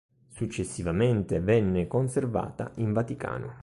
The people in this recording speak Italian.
Successivamente venne conservata in Vaticano.